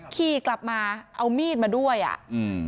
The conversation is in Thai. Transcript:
ขี่กลับมาเอามีดมาด้วยอ่ะอืม